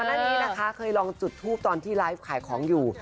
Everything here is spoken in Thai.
หน้านี้นะคะเคยลองจุดทูปตอนที่ไลฟ์ขายของอยู่